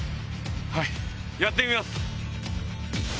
はいやってみます！